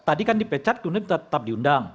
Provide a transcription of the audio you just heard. tadi kan dipecat kemudian tetap diundang